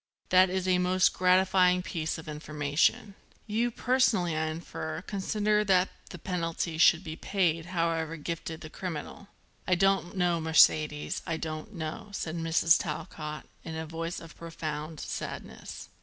That is a most gratifying piece of information. You, personally, I infer, consider that the penalty should be paid, however gifted the criminal." "I don't know, Mercedes, I don't know," said Mrs. Talcott in a voice of profound sadness.